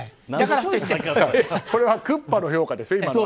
これはクッパの評価ですよ。